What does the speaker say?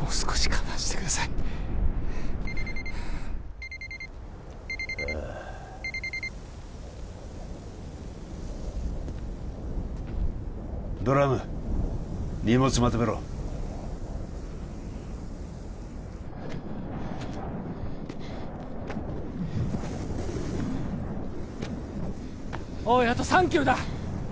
もう少し我慢してくださいドラム荷物まとめろおいあと３キロだお前